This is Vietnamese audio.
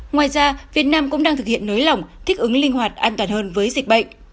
ngoài ra việt nam cũng đang thực hiện nới lỏng thích ứng linh hoạt an toàn hơn với dịch bệnh